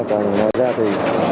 còn ngoài ra thì